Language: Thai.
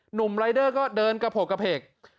หนุ่มรายเดอร์ก็เดินกระโพกกระเพก